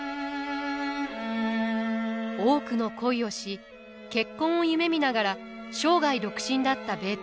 多くの恋をし結婚を夢みながら生涯独身だったベートーヴェン。